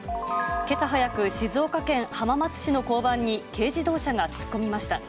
けさ早く、静岡県浜松市の交番に、軽自動車が突っ込みました。